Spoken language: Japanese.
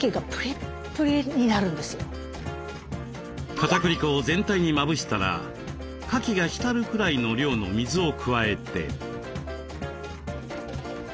かたくり粉を全体にまぶしたらかきが浸るくらいの量の水を加えて。